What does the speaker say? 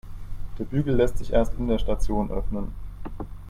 Der Bügel lässt sich erst in der Station öffnen.